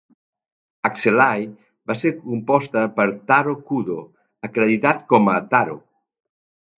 "Axelay" va ser composta per Taro Kudo, acreditat com a "Taro.